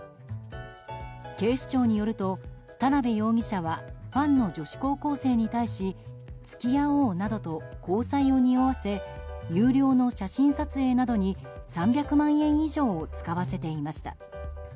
警視庁によると田辺容疑者はファンの女子高校生に対し付き合おうなどと交際をにおわせ有料の写真撮影などに３００万円以上を使わせていました。